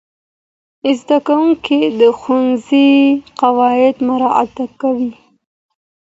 زدهکوونکي د ښوونځي قواعد مراعت کوي.